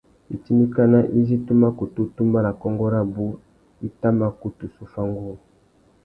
Itindikana izí tu mà kutu tumba nà kônkô rabú i tà mà kutu zu fá nguru.